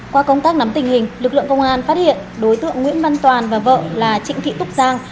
qua công tác nắm tình hình lực lượng công an phát hiện đối tượng nguyễn văn toàn và vợ là trịnh thị túc giang